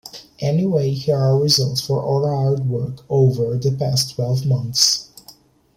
Anyway here are results of our hard work over the past twelve months.